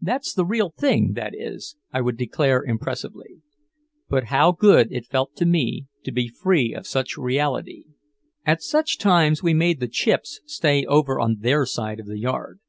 "That's the real thing, that is," I would declare impressively. But how good it felt to me to be free of such reality. At such times we made "the Chips" stay over on their side of the yard.